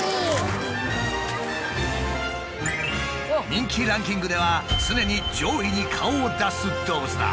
人気ランキングでは常に上位に顔を出す動物だ。